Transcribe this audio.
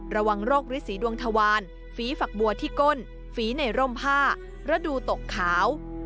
ระวังโรคฤษีดวงทวารฝีฝักบัวที่ก้นฝีในร่มผ้าฤดูตกขาว